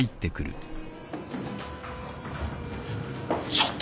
ちょっと。